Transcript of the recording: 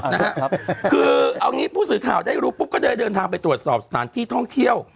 นะครับคือเอางี้ผู้สื่อข่าวได้รู้ปุ๊บก็ได้เดินทางไปตรวจสอบสถานที่ท่องเที่ยว